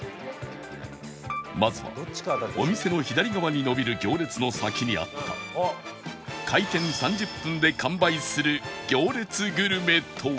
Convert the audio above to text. まずはお店の左側に伸びる行列の先にあった開店３０分で完売する行列グルメとは？